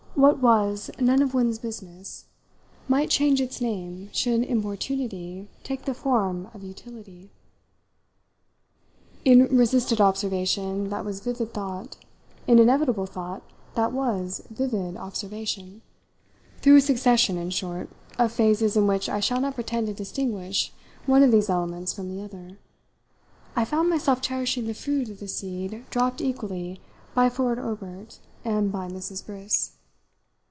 What was none of one's business might change its name should importunity take the form of utility. In resisted observation that was vivid thought, in inevitable thought that was vivid observation, through a succession, in short, of phases in which I shall not pretend to distinguish one of these elements from the other, I found myself cherishing the fruit of the seed dropped equally by Ford Obert and by Mrs. Briss.